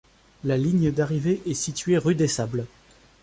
La ligne d'arrivée est située rue des Sables.